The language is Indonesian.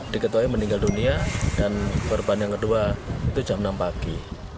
diketuai meninggal dunia dan korban yang kedua itu jam enam pagi